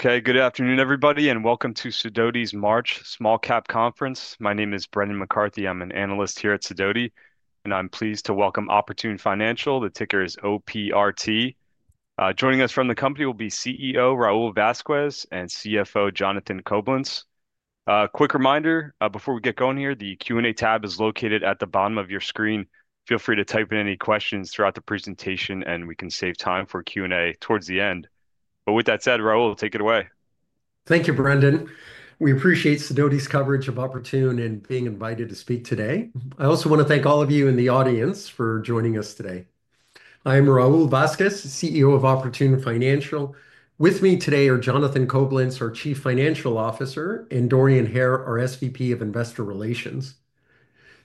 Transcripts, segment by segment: Okay, good afternoon, everybody, and welcome to Sidoti March Small Cap Conference. My name is Brendan McCarthy. I'm an analyst here at Sidoti, and I'm pleased to welcome Oportun Financial. The ticker is OPRT. Joining us from the company will be CEO Raul Vazquez and CFO Jonathan Coblentz. Quick reminder before we get going here, the Q&A tab is located at the bottom of your screen. Feel free to type in any questions throughout the presentation, and we can save time for Q&A towards the end. With that said, Raul, take it away. Thank you, Brendan. We appreciate Sidoti's coverage of Oportun and being invited to speak today. I also want to thank all of you in the audience for joining us today. I am Raul Vazquez, CEO of Oportun Financial. With me today are Jonathan Coblentz, our Chief Financial Officer, and Dorian Hare, our SVP of Investor Relations.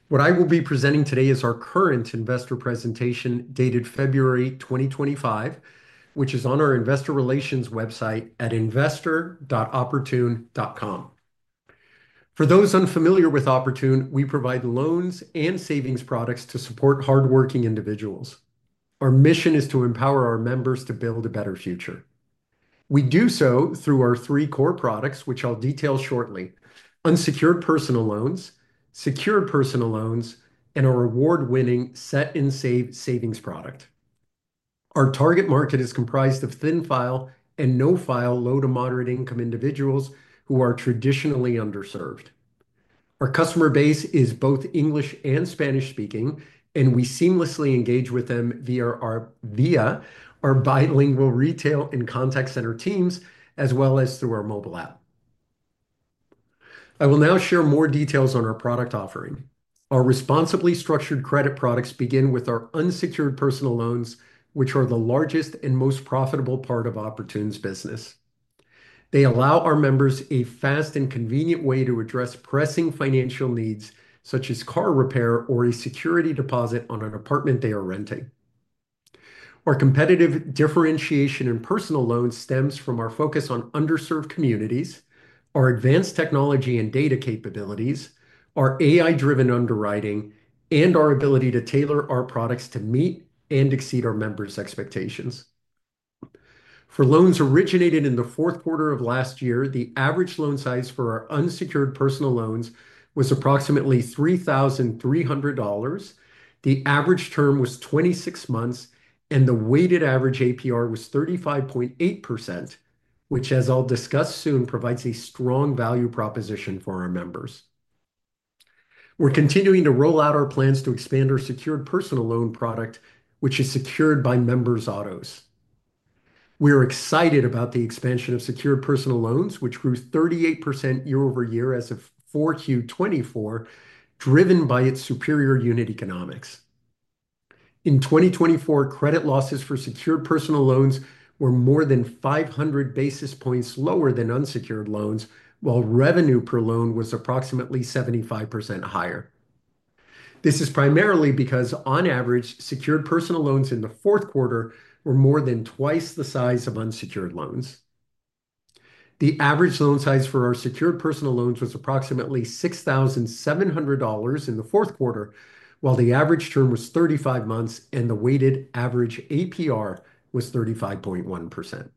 What I will be presenting today is our current investor presentation dated February 2025, which is on our Investor Relations website at investor.oportun.com. For those unfamiliar with Oportun, we provide loans and savings products to support hardworking individuals. Our mission is to empower our members to build a better future. We do so through our three core products, which I'll detail shortly: unsecured personal loans, secured personal loans, and an award-winning Set and Save savings product. Our target market is comprised of thin file and no file low to moderate income individuals who are traditionally underserved. Our customer base is both English and Spanish speaking, and we seamlessly engage with them via our bilingual retail and contact center teams, as well as through our mobile app. I will now share more details on our product offering. Our responsibly structured credit products begin with our unsecured personal loans, which are the largest and most profitable part of Oportun's business. They allow our members a fast and convenient way to address pressing financial needs, such as car repair or a security deposit on an apartment they are renting. Our competitive differentiation in personal loans stems from our focus on underserved communities, our advanced technology and data capabilities, our AI-driven underwriting, and our ability to tailor our products to meet and exceed our members' expectations. For loans originated in the Q4 of last year, the average loan size for our unsecured personal loans was approximately $3,300. The average term was 26 months, and the weighted average APR was 35.8%, which, as I'll discuss soon, provides a strong value proposition for our members. We're continuing to roll out our plans to expand our secured personal loan product, which is secured by members' autos. We are excited about the expansion of secured personal loans, which grew 38% year-over-year as of 4Q24, driven by its superior unit economics. In 2024, credit losses for secured personal loans were more than 500 basis points lower than unsecured loans, while revenue per loan was approximately 75% higher. This is primarily because, on average, secured personal loans in the Q4 were more than twice the size of unsecured loans. The average loan size for our secured personal loans was approximately $6,700 in the Q4, while the average term was 35 months, and the weighted average APR was 35.1%.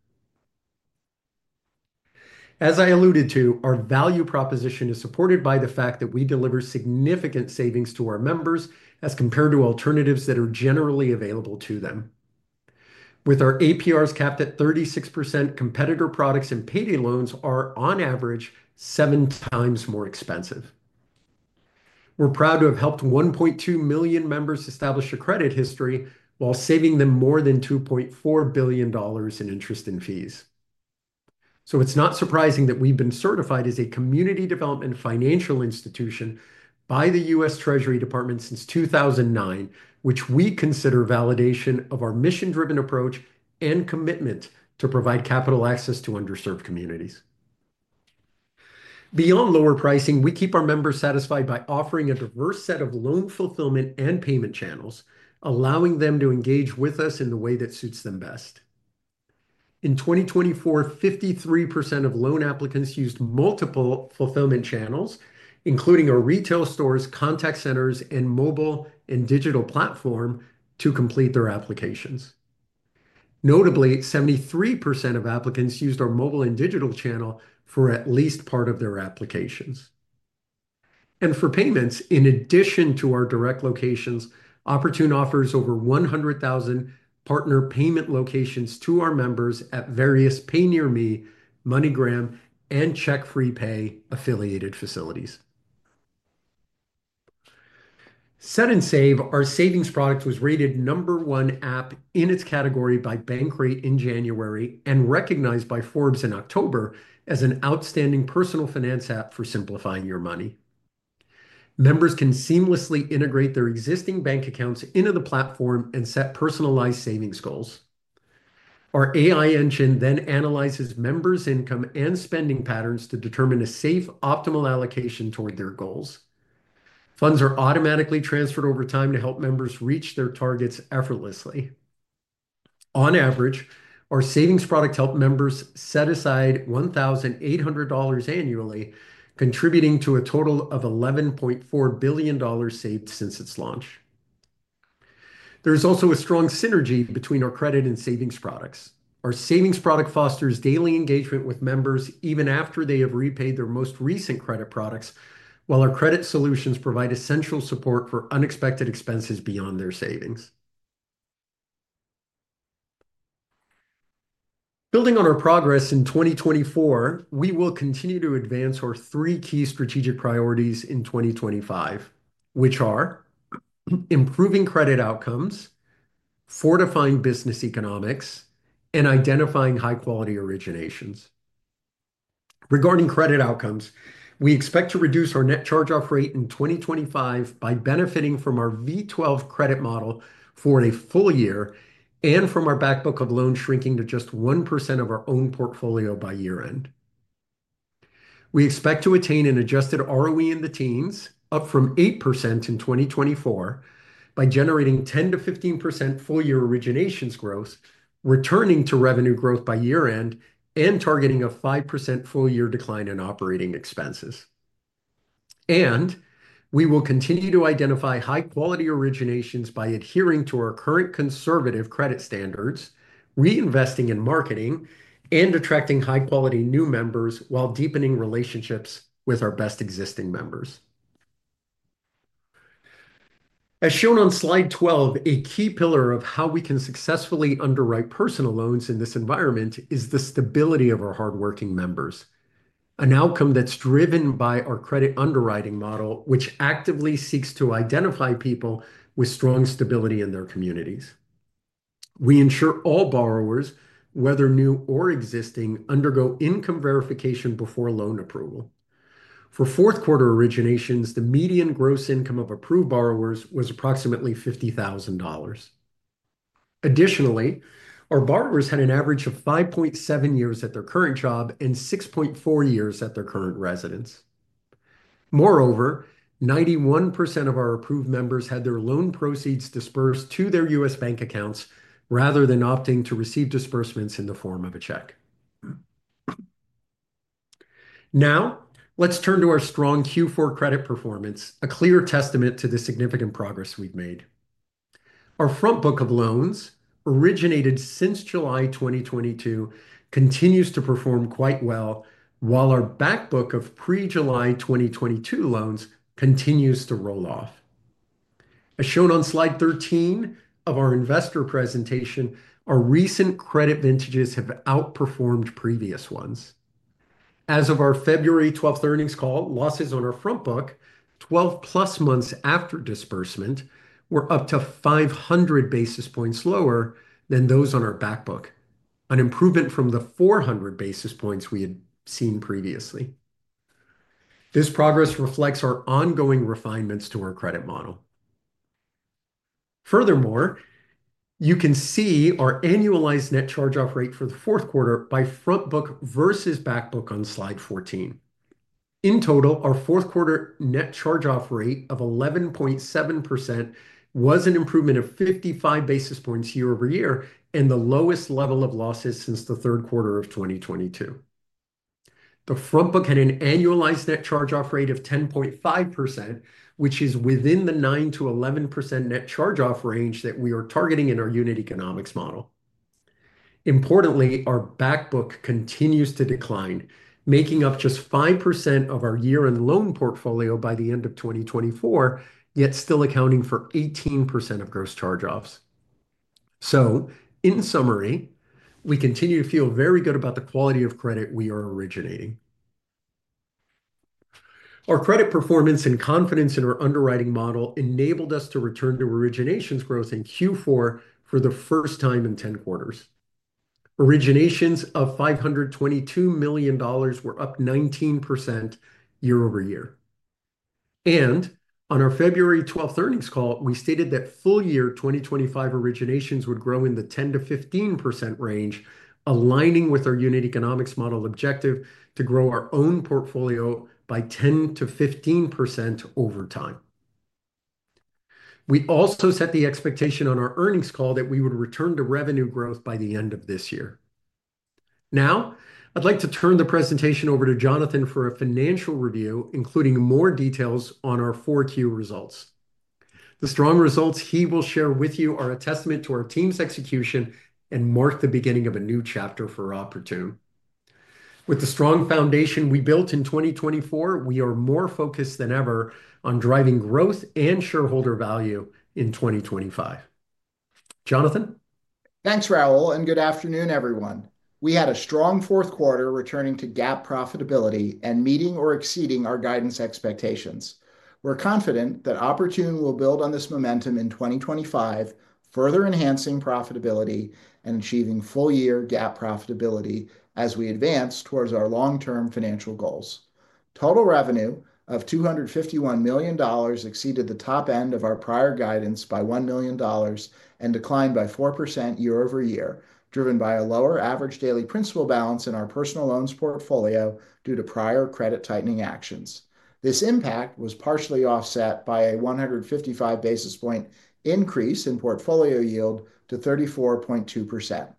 As I alluded to, our value proposition is supported by the fact that we deliver significant savings to our members as compared to alternatives that are generally available to them. With our APRs capped at 36%, competitor products and payday loans are, on average, seven times more expensive. We're proud to have helped 1.2 million members establish a credit history while saving them more than $2.4 billion in interest and fees. It is not surprising that we've been certified as a community development financial institution by the U.S. Treasury Department since 2009, which we consider validation of our mission-driven approach and commitment to provide capital access to underserved communities. Beyond lower pricing, we keep our members satisfied by offering a diverse set of loan fulfillment and payment channels, allowing them to engage with us in the way that suits them best. In 2024, 53% of loan applicants used multiple fulfillment channels, including our retail stores, contact centers, and mobile and digital platform, to complete their applications. Notably, 73% of applicants used our mobile and digital channel for at least part of their applications. For payments, in addition to our direct locations, Oportun offers over 100,000 partner payment locations to our members at various PayNearMe, MoneyGram, and CheckFreePay affiliated facilities. Set and Save, our savings product, was rated number one app in its category by Bankrate in January and recognized by Forbes in October as an outstanding personal finance app for simplifying your money. Members can seamlessly integrate their existing bank accounts into the platform and set personalized savings goals. Our AI engine then analyzes members' income and spending patterns to determine a safe, optimal allocation toward their goals. Funds are automatically transferred over time to help members reach their targets effortlessly. On average, our savings product helps members set aside $1,800 annually, contributing to a total of $11.4 billion saved since its launch. There is also a strong synergy between our credit and savings products. Our savings product fosters daily engagement with members even after they have repaid their most recent credit products, while our credit solutions provide essential support for unexpected expenses beyond their savings. Building on our progress in 2024, we will continue to advance our three key strategic priorities in 2025, which are improving credit outcomes, fortifying business economics, and identifying high-quality originations. Regarding credit outcomes, we expect to reduce our net charge-off rate in 2025 by benefiting from our V12 credit model for a full year and from our Backbook of loans shrinking to just 1% of our own portfolio by year-end. We expect to attain an adjusted ROE in the teens, up from 8% in 2024, by generating 10%-15% full-year originations growth, returning to revenue growth by year-end, and targeting a 5% full-year decline in operating expenses. We will continue to identify high-quality originations by adhering to our current conservative credit standards, reinvesting in marketing, and attracting high-quality new members while deepening relationships with our best existing members. As shown on slide 12, a key pillar of how we can successfully underwrite personal loans in this environment is the stability of our hardworking members, an outcome that's driven by our credit underwriting model, which actively seeks to identify people with strong stability in their communities. We ensure all borrowers, whether new or existing, undergo income verification before loan approval. For fourth-quarter originations, the median gross income of approved borrowers was approximately $50,000. Additionally, our borrowers had an average of 5.7 years at their current job and 6.4 years at their current residence. Moreover, 91% of our approved members had their loan proceeds disbursed to their U.S. bank accounts rather than opting to receive disbursements in the form of a check. Now, let's turn to our strong Q4 credit performance, a clear testament to the significant progress we've made. Our front book of loans, originated since July 2022, continues to perform quite well, while our Backbook of pre-July 2022 loans continues to roll off. As shown on slide 13 of our investor presentation, our recent credit vintages have outperformed previous ones. As of our February 12th earnings call, losses on our front book, 12-plus months after disbursement, were up to 500 basis points lower than those on our Backbook, an improvement from the 400 basis points we had seen previously. This progress reflects our ongoing refinements to our credit model. Furthermore, you can see our annualized net charge-off rate for the Q4 by front book versus Backbook on slide 14. In total, our Q4 net charge-off rate of 11.7% was an improvement of 55 basis points year-over-year and the lowest level of losses since the Q3 of 2022. The front book had an annualized net charge-off rate of 10.5%, which is within the 9%-11% net charge-off range that we are targeting in our unit economics model. Importantly, our Backbook continues to decline, making up just 5% of our year-end loan portfolio by the end of 2024, yet still accounting for 18% of gross charge-offs. In summary, we continue to feel very good about the quality of credit we are originating. Our credit performance and confidence in our underwriting model enabled us to return to originations growth in Q4 for the first time in 10 quarters. Originations of $522 million were up 19% year-over-year. On our February 12th earnings call, we stated that full-year 2025 originations would grow in the 10%-15% range, aligning with our unit economics model objective to grow our own portfolio by 10%-15% over time. We also set the expectation on our earnings call that we would return to revenue growth by the end of this year. Now, I'd like to turn the presentation over to Jonathan for a financial review, including more details on our Q4 results. The strong results he will share with you are a testament to our team's execution and mark the beginning of a new chapter for Oportun. With the strong foundation we built in 2024, we are more focused than ever on driving growth and shareholder value in 2025. Jonathan? Thanks, Raul, and good afternoon, everyone. We had a strong Q4 returning to GAAP profitability and meeting or exceeding our guidance expectations. We're confident that Oportun will build on this momentum in 2025, further enhancing profitability and achieving full-year GAAP profitability as we advance towards our long-term financial goals. Total revenue of $251 million exceeded the top end of our prior guidance by $1 million and declined by 4% year-over-year, driven by a lower average daily principal balance in our personal loans portfolio due to prior credit-tightening actions. This impact was partially offset by a 155 basis point increase in portfolio yield to 34.2%.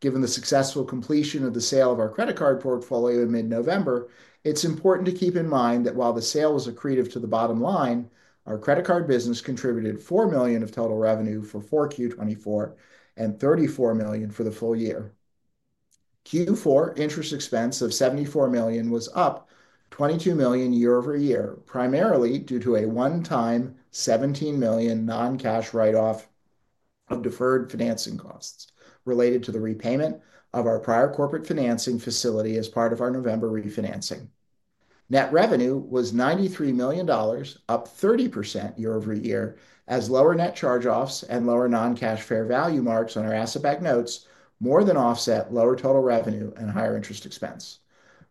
Given the successful completion of the sale of our credit card portfolio in mid-November, it's important to keep in mind that while the sale was accretive to the bottom line, our credit card business contributed $4 million of total revenue for Q4 2024 and $34 million for the full year. Q4 interest expense of $74 million was up $22 million year-over-year, primarily due to a one-time $17 million non-cash write-off of deferred financing costs related to the repayment of our prior corporate financing facility as part of our November refinancing. Net revenue was $93 million, up 30% year-over-year, as lower net charge-offs and lower non-cash fair value marks on our asset-backed notes more than offset lower total revenue and higher interest expense.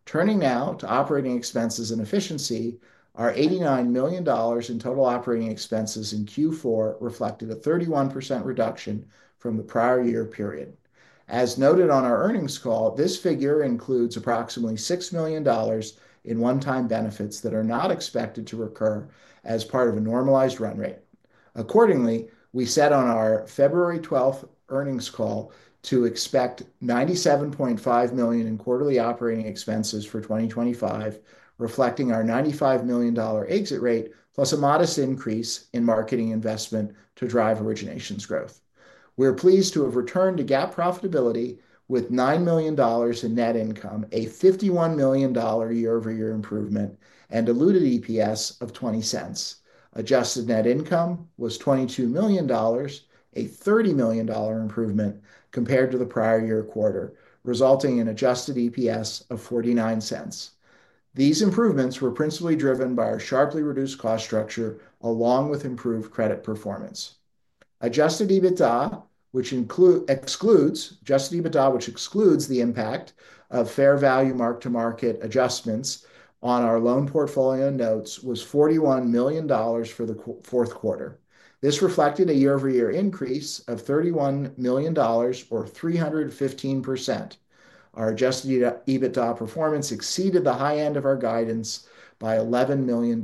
Turning now to operating expenses and efficiency, our $89 million in total operating expenses in Q4 reflected a 31% reduction from the prior year period. As noted on our earnings call, this figure includes approximately $6 million in one-time benefits that are not expected to recur as part of a normalized run rate. Accordingly, we set on our February 12th earnings call to expect $97.5 million in quarterly operating expenses for 2025, reflecting our $95 million exit rate, plus a modest increase in marketing investment to drive originations growth. We're pleased to have returned to GAAP profitability with $9 million in net income, a $51 million year-over-year improvement, and diluted EPS of $0.20. Adjusted net income was $22 million, a $30 million improvement compared to the prior year quarter, resulting in adjusted EPS of $0.49. These improvements were principally driven by our sharply reduced cost structure along with improved credit performance. Adjusted EBITDA, which excludes the impact of fair value mark-to-market adjustments on our loan portfolio notes, was $41 million for the Q4. This reflected a year-over-year increase of $31 million, or 315%. Our adjusted EBITDA performance exceeded the high end of our guidance by $11 million,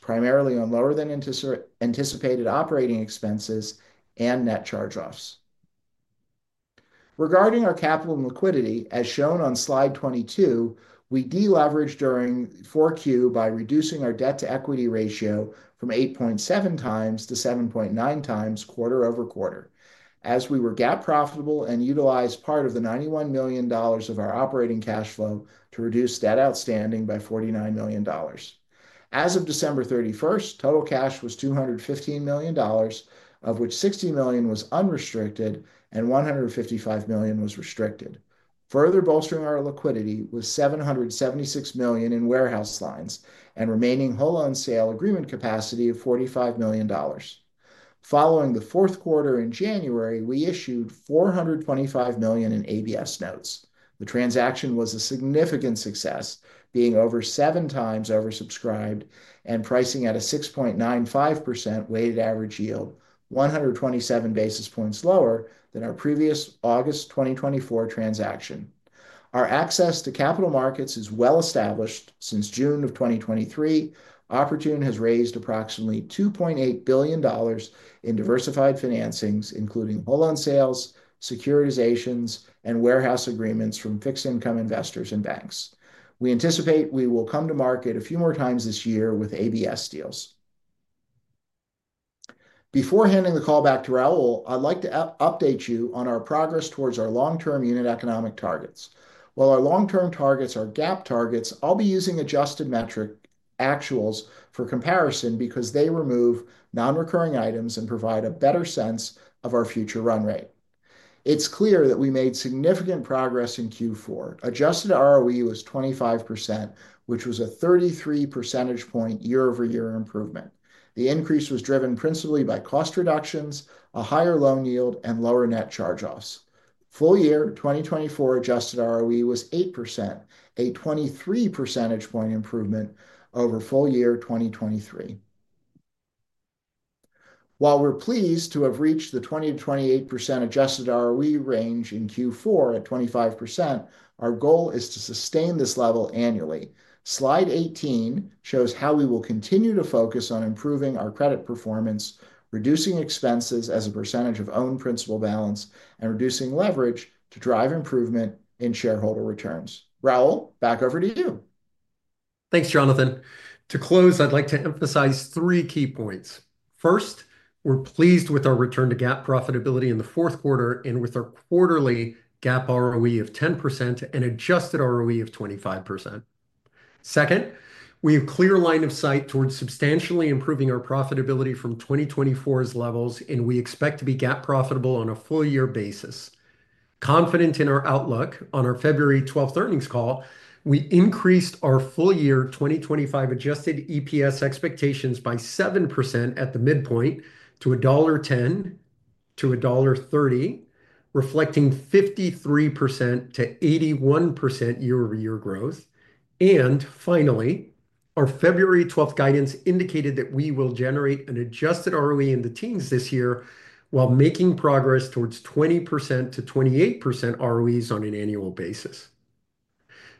primarily on lower-than-anticipated operating expenses and net charge-offs. Regarding our capital and liquidity, as shown on slide 22, we deleveraged during Q4 by reducing our debt-to-equity ratio from 8.7 times to 7.9 times quarter over quarter, as we were GAAP profitable and utilized part of the $91 million of our operating cash flow to reduce debt outstanding by $49 million. As of December 31st, total cash was $215 million, of which $60 million was unrestricted and $155 million was restricted. Further bolstering our liquidity was $776 million in warehouse lines and remaining whole-loan sale agreement capacity of $45 million. Following the Q4 in January, we issued $425 million in ABS notes. The transaction was a significant success, being over seven times oversubscribed and pricing at a 6.95% weighted average yield, 127 basis points lower than our previous August 2024 transaction. Our access to capital markets is well established since June of 2023. Oportun has raised approximately $2.8 billion in diversified financings, including whole-loan sales, securitizations, and warehouse agreements from fixed-income investors and banks. We anticipate we will come to market a few more times this year with ABS deals. Before handing the call back to Raul, I'd like to update you on our progress towards our long-term unit economic targets. While our long-term targets are GAAP targets, I'll be using adjusted metric actuals for comparison because they remove non-recurring items and provide a better sense of our future run rate. It's clear that we made significant progress in Q4. Adjusted ROE was 25%, which was a 33 percentage point year-over-year improvement. The increase was driven principally by cost reductions, a higher loan yield, and lower net charge-offs. Full-year 2024 adjusted ROE was 8%, a 23 percentage point improvement over full-year 2023. While we're pleased to have reached the 20-28% adjusted ROE range in Q4 at 25%, our goal is to sustain this level annually. Slide 18 shows how we will continue to focus on improving our credit performance, reducing expenses as a percentage of owned principal balance, and reducing leverage to drive improvement in shareholder returns. Raul, back over to you. Thanks, Jonathan. To close, I'd like to emphasize three key points. First, we're pleased with our return to GAAP profitability in the Q4 and with our quarterly GAAP ROE of 10% and adjusted ROE of 25%. Second, we have a clear line of sight towards substantially improving our profitability from 2024's levels, and we expect to be GAAP profitable on a full-year basis. Confident in our outlook, on our February 12th earnings call, we increased our full-year 2025 adjusted EPS expectations by 7% at the midpoint to $1.10-$1.30, reflecting 53%-81% year-over-year growth. Finally, our February 12th guidance indicated that we will generate an adjusted ROE in the teens this year while making progress towards 20%-28% ROEs on an annual basis.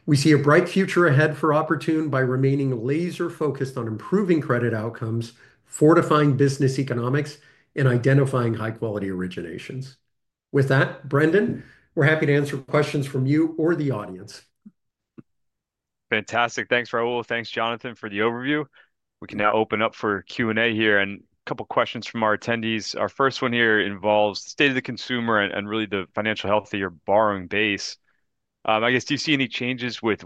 We see a bright future ahead for Oportun by remaining laser-focused on improving credit outcomes, fortifying business economics, and identifying high-quality originations. With that, Brendan, we're happy to answer questions from you or the audience. Fantastic. Thanks, Raul. Thanks, Jonathan, for the overview. We can now open up for Q&A here and a couple of questions from our attendees. Our first one here involves the state of the consumer and really the financial health of your borrowing base. I guess, do you see any changes with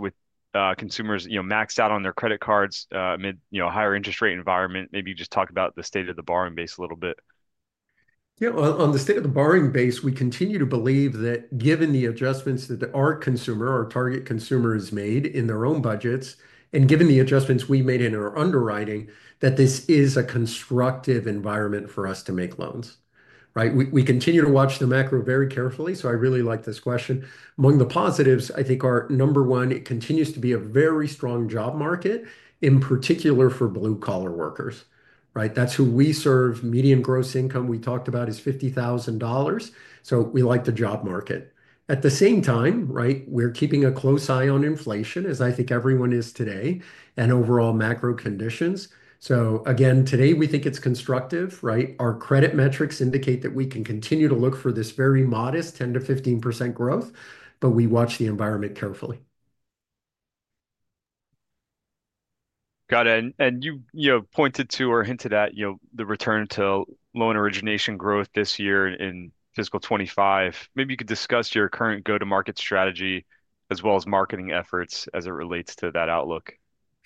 consumers, you know, maxed out on their credit cards amid, you know, a higher interest rate environment? Maybe you just talk about the state of the borrowing base a little bit. Yeah, on the state of the borrowing base, we continue to believe that given the adjustments that our consumer, our target consumer, has made in their own budgets and given the adjustments we made in our underwriting, that this is a constructive environment for us to make loans, right? We continue to watch the macro very carefully, so I really like this question. Among the positives, I think our number one, it continues to be a very strong job market, in particular for blue-collar workers, right? That's who we serve. Median gross income we talked about is $50,000, so we like the job market. At the same time, right, we're keeping a close eye on inflation, as I think everyone is today, and overall macro conditions. Again, today we think it's constructive, right? Our credit metrics indicate that we can continue to look for this very modest 10%-15% growth, but we watch the environment carefully. Got it. And you, you know, pointed to or hinted at, you know, the return to loan origination growth this year in fiscal 2025. Maybe you could discuss your current go-to-market strategy as well as marketing efforts as it relates to that outlook.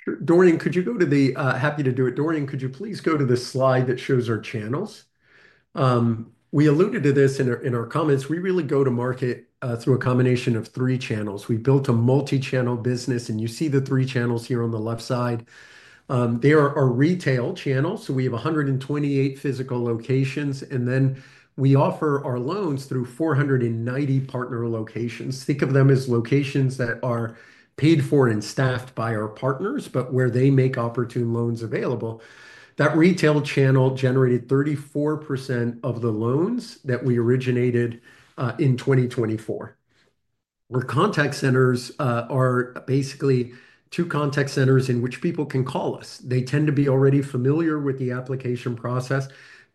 Sure. Dorian, could you go to the—happy to do it. Dorian, could you please go to the slide that shows our channels? We alluded to this in our comments. We really go to market through a combination of three channels. We built a multi-channel business, and you see the three channels here on the left side. They are our retail channels, so we have 128 physical locations, and then we offer our loans through 490 partner locations. Think of them as locations that are paid for and staffed by our partners, but where they make Oportun loans available. That retail channel generated 34% of the loans that we originated in 2024. Our contact centers are basically two contact centers in which people can call us. They tend to be already familiar with the application process.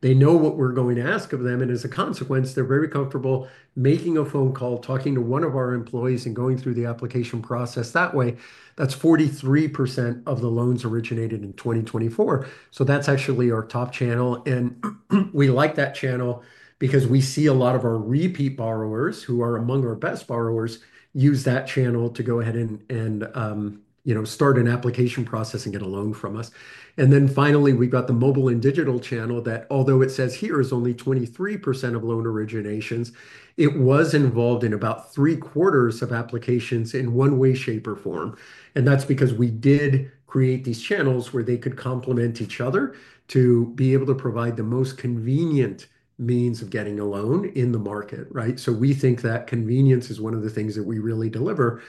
They know what we're going to ask of them, and as a consequence, they're very comfortable making a phone call, talking to one of our employees, and going through the application process that way. That's 43% of the loans originated in 2024. That's actually our top channel, and we like that channel because we see a lot of our repeat borrowers, who are among our best borrowers, use that channel to go ahead and, you know, start an application process and get a loan from us. Finally, we've got the mobile and digital channel that, although it says here is only 23% of loan originations, it was involved in about three quarters of applications in one way, shape, or form. That is because we did create these channels where they could complement each other to be able to provide the most convenient means of getting a loan in the market, right? We think that convenience is one of the things that we really deliver.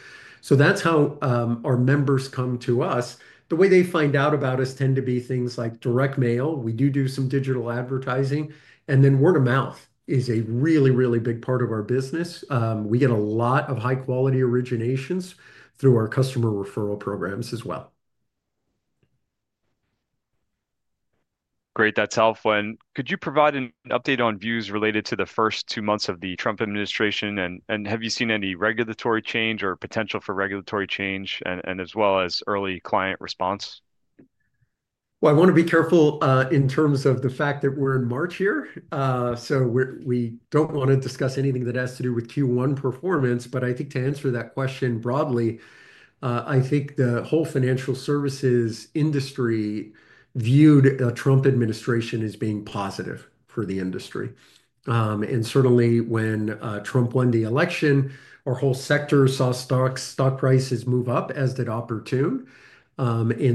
That is how our members come to us. The way they find out about us tends to be things like direct mail. We do do some digital advertising, and then word of mouth is a really, really big part of our business. We get a lot of high-quality originations through our customer referral programs as well. Great. That is helpful. Could you provide an update on views related to the first two months of the Trump administration? Have you seen any regulatory change or potential for regulatory change, as well as early client response? I want to be careful in terms of the fact that we're in March here, so we don't want to discuss anything that has to do with Q1 performance. I think to answer that question broadly, I think the whole financial services industry viewed the Trump administration as being positive for the industry. Certainly when Trump won the election, our whole sector saw stock prices move up, as did Oportun.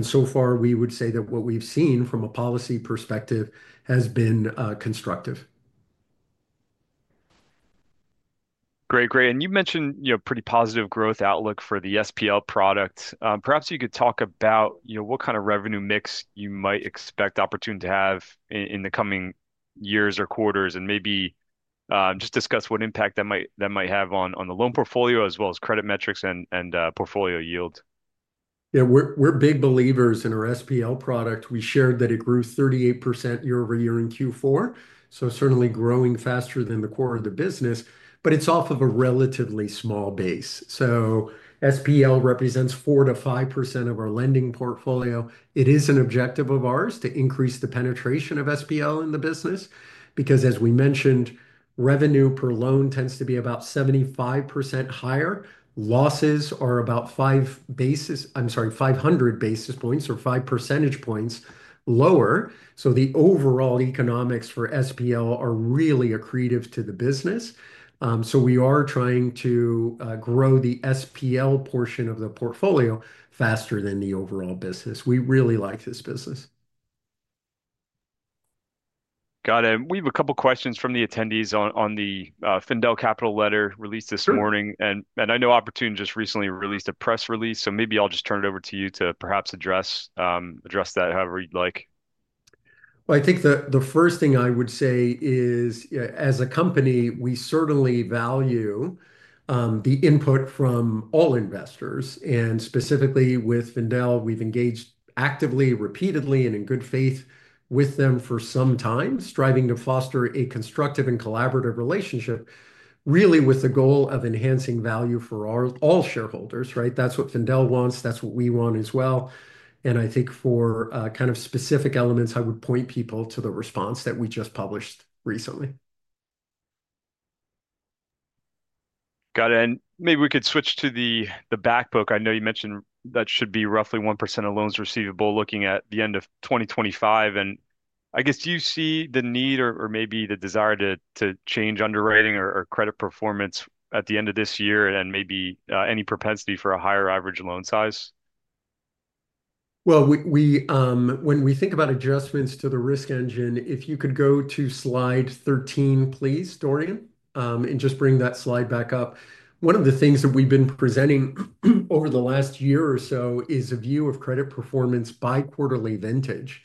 So far, we would say that what we've seen from a policy perspective has been constructive. Great, great. You mentioned, you know, pretty positive growth outlook for the SPL product. Perhaps you could talk about, you know, what kind of revenue mix you might expect Oportun to have in the coming years or quarters, and maybe just discuss what impact that might have on the loan portfolio as well as credit metrics and portfolio yield. Yeah, we're big believers in our SPL product. We shared that it grew 38% year-over-year in Q4, so certainly growing faster than the core of the business, but it's off of a relatively small base. SPL represents 4%-5% of our lending portfolio. It is an objective of ours to increase the penetration of SPL in the business because, as we mentioned, revenue per loan tends to be about 75% higher. Losses are about five basis—I'm sorry, 500 basis points or five percentage points lower. The overall economics for SPL are really accretive to the business. We are trying to grow the SPL portion of the portfolio faster than the overall business. We really like this business. Got it. We have a couple of questions from the attendees on the Findell Capital letter released this morning. I know Oportun just recently released a press release, so maybe I'll just turn it over to you to perhaps address that however you'd like. I think the first thing I would say is, as a company, we certainly value the input from all investors. Specifically with Findell, we've engaged actively, repeatedly, and in good faith with them for some time, striving to foster a constructive and collaborative relationship, really with the goal of enhancing value for all shareholders, right? That's what Findell wants. That's what we want as well. I think for kind of specific elements, I would point people to the response that we just published recently. Got it. Maybe we could switch to the Backbook. I know you mentioned that should be roughly 1% of loans receivable looking at the end of 2025. I guess, do you see the need or maybe the desire to change underwriting or credit performance at the end of this year and maybe any propensity for a higher average loan size? When we think about adjustments to the risk engine, if you could go to slide 13, please, Dorian, and just bring that slide back up. One of the things that we've been presenting over the last year or so is a view of credit performance by quarterly vintage.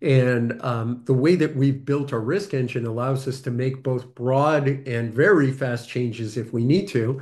The way that we've built our risk engine allows us to make both broad and very fast changes if we need to.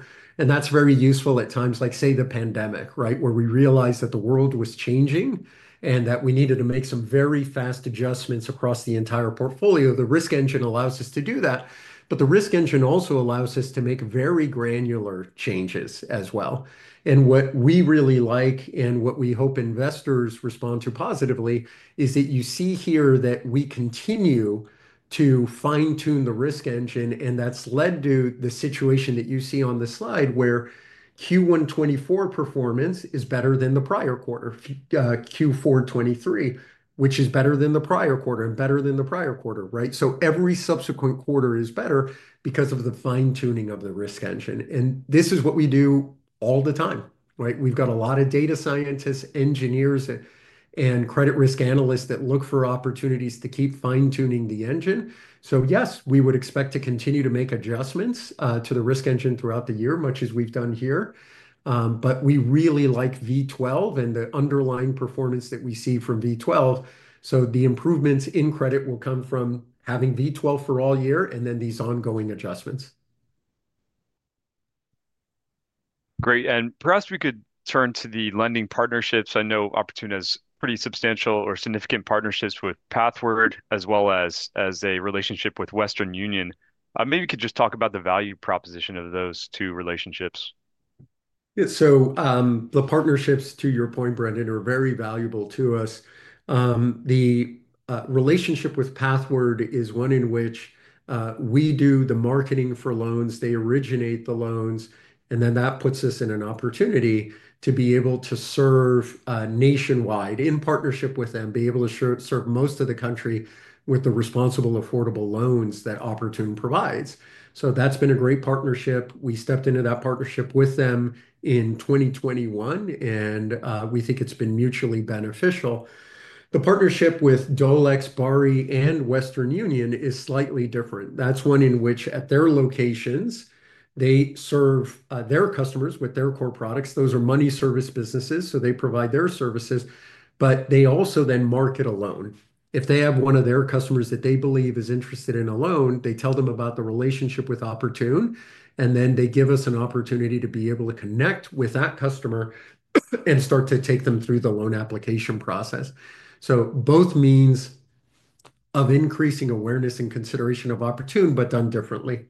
That is very useful at times, like say the pandemic, right, where we realized that the world was changing and that we needed to make some very fast adjustments across the entire portfolio. The risk engine allows us to do that, but the risk engine also allows us to make very granular changes as well. What we really like and what we hope investors respond to positively is that you see here that we continue to fine-tune the risk engine, and that has led to the situation that you see on the slide where Q1 2024 performance is better than the prior quarter, Q4 2023, which is better than the prior quarter and better than the prior quarter, right? Every subsequent quarter is better because of the fine-tuning of the risk engine. This is what we do all the time, right? We have a lot of data scientists, engineers, and credit risk analysts that look for opportunities to keep fine-tuning the engine. Yes, we would expect to continue to make adjustments to the risk engine throughout the year, much as we've done here. We really like V12 and the underlying performance that we see from V12. The improvements in credit will come from having V12 for all year and then these ongoing adjustments. Great. Perhaps we could turn to the lending partnerships. I know Oportun has pretty substantial or significant partnerships with Pathward as well as a relationship with Western Union. Maybe you could just talk about the value proposition of those two relationships. Yeah, the partnerships, to your point, Brendan, are very valuable to us. The relationship with Pathward is one in which we do the marketing for loans, they originate the loans, and that puts us in an opportunity to be able to serve nationwide in partnership with them, be able to serve most of the country with the responsible, affordable loans that Oportun provides. That has been a great partnership. We stepped into that partnership with them in 2021, and we think it has been mutually beneficial. The partnership with Dolex, Barri, and Western Union is slightly different. That is one in which at their locations, they serve their customers with their core products. Those are money service businesses, so they provide their services, but they also then market a loan. If they have one of their customers that they believe is interested in a loan, they tell them about the relationship with Oportun, and then they give us an opportunity to be able to connect with that customer and start to take them through the loan application process. Both means of increasing awareness and consideration of Oportun, but done differently.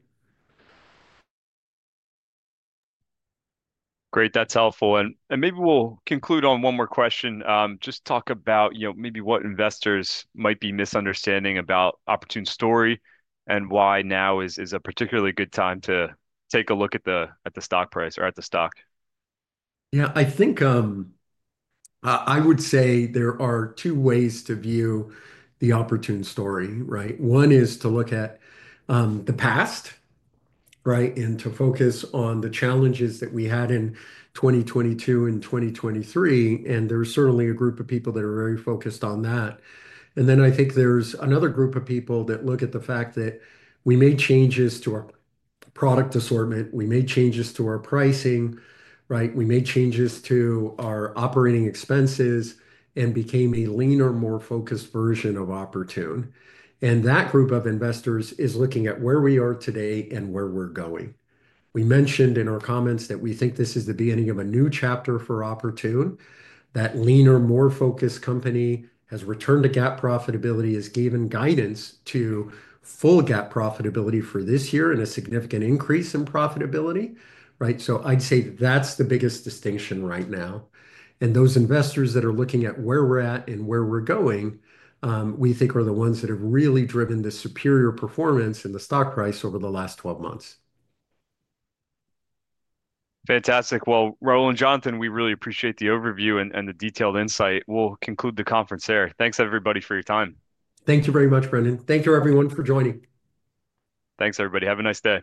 Great. That's helpful. Maybe we'll conclude on one more question. Just talk about, you know, maybe what investors might be misunderstanding about Oportun's story and why now is a particularly good time to take a look at the stock price or at the stock. Yeah, I think I would say there are two ways to view the Oportun story, right. One is to look at the past, right, and to focus on the challenges that we had in 2022 and 2023. There is certainly a group of people that are very focused on that. I think there is another group of people that look at the fact that we made changes to our product assortment, we made changes to our pricing, right? We made changes to our operating expenses and became a leaner, more focused version of Oportun. That group of investors is looking at where we are today and where we are going. We mentioned in our comments that we think this is the beginning of a new chapter for Oportun. That leaner, more focused company has returned to GAAP profitability, has given guidance to full GAAP profitability for this year and a significant increase in profitability, right? I would say that is the biggest distinction right now. Those investors that are looking at where we're at and where we're going, we think are the ones that have really driven the superior performance in the stock price over the last 12 months. Fantastic. Raul and Jonathan, we really appreciate the overview and the detailed insight. We'll conclude the conference there. Thanks everybody for your time. Thank you very much, Brendan. Thank you everyone for joining. Thanks everybody. Have a nice day.